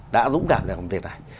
đã dũng cảm làm việc này